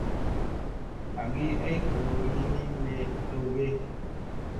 Agi ay gologi ni me dow ge.